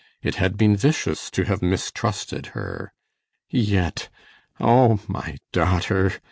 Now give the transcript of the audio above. It had been vicious To have mistrusted her; yet, O my daughter!